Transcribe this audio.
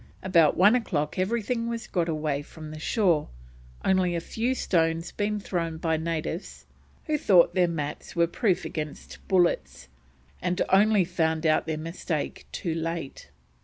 About one o'clock everything was got away from the shore, only a few stones being thrown by natives who thought their mats were proof against bullets, and only found out their mistake too late.